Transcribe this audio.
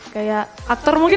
kayak aktor mungkin